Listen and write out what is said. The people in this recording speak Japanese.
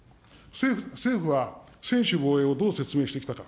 政府は専守防衛をどう説明してきたか。